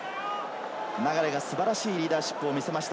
流が素晴らしいリーダーシップを見せました。